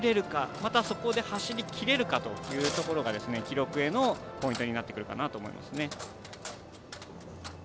また、そこで走りきれるかというところが記録へのポイントになってくるかなと思います。